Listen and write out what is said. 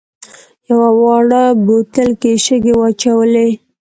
یوه واړه بوتل کې یې شګې واچولې.